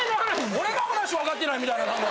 俺が話分かってないみたいななんか。